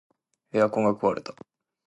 エアコンが壊れた